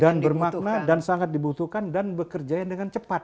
dan bermakna dan sangat dibutuhkan dan bekerjanya dengan cepat